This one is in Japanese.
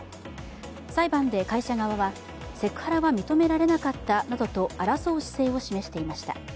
裁判で会社側はセクハラは認められなかったなどと争う姿勢を示していました。